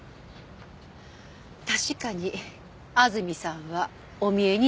確かに安住さんはお見えになりました。